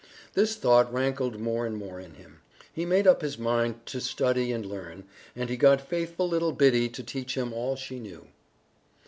This thought rankled more and more in him. He made up his mind to study and learn, and he got faithful little Biddy to teach him all she knew.